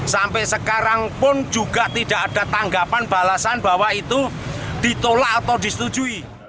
sampai sekarang pun juga tidak ada tanggapan balasan bahwa itu ditolak atau disetujui